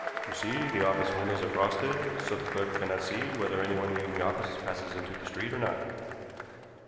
You see, the office windows are frosted, so the clerk cannot see whether anyone leaving the office passes into the street or not.